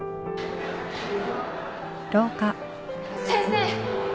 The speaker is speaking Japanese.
先生！